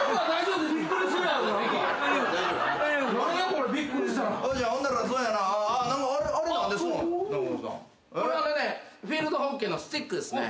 これはフィールドホッケーのスティックですね。